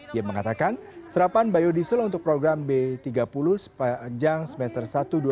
dia mengatakan serapan biodiesel untuk program b tiga puluh sepanjang semester satu dua ribu dua puluh